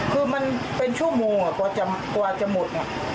คือมันเป็นชั่วโมงกว่าจะหมด